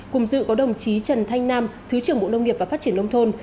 cùng dự có đồng chí trần thanh nam thứ trưởng bộ nông nghiệp và phát triển nông thôn